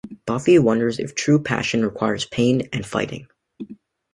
Buffy wonders if true passion requires pain and fighting.